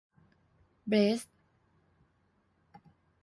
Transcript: เบส